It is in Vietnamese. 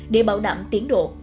để bảo đảm tiến độ